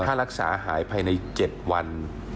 ถ้ารักษาหายภายใน๗วัน